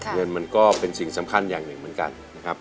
เงินมันก็เป็นสิ่งสำคัญอย่างหนึ่งเหมือนกันนะครับ